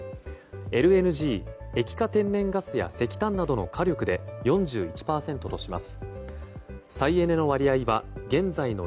ＬＮＧ・液化天然ガスや石炭などの火力で４１％とします。